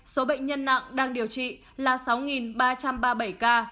số bệnh nhân nặng đang điều trị là sáu ba trăm ba mươi bảy ca